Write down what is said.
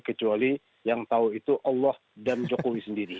kecuali yang tahu itu allah dan jokowi sendiri